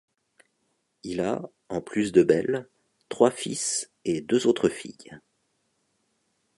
Il a, en plus de Belle, trois fils et deux autres filles.